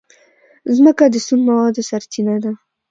مځکه د سون موادو سرچینه ده.